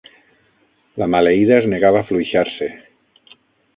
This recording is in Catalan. La maleïda es negava a afluixar-se